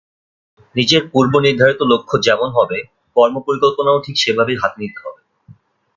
নিজের পূর্বনির্ধারিত লক্ষ্য যেমন হবে, কর্মপরিকল্পনাও ঠিক সেভাবেই হাতে নিতে হবে।